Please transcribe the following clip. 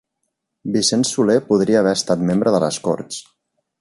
Vicent Soler podria haver estat membre de les Corts